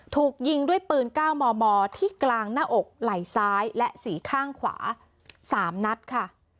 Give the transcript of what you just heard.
ถูกยิงด้วยปืน๙มมที่กลางหน้าอกไหล่ซ้ายและสีข้างขวา๓นัดค่ะ